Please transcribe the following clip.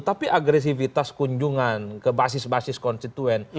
tapi agresivitas kunjungan ke basis basis konstituen